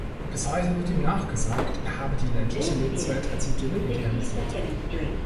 Bis heute wird ihm nachgesagt, er habe die ländliche Lebenswelt als Idylle idealisiert.